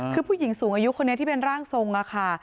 คือผู้หญิงสูงอายุคนนี้ที่เป็นร่างทรงค่ะ